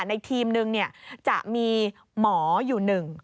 ในทีมหนึ่งจะมีหมออยู่หนึ่ง